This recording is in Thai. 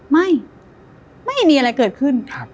ไม่มีอะไรเกิดขึ้น